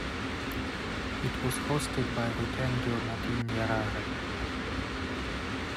It was hosted by Rutendo Matinyarare.